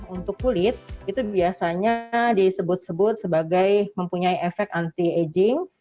untuk kulit itu biasanya disebut sebut sebagai mempunyai efek anti aging